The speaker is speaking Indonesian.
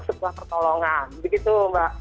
sebuah pertolongan begitu mbak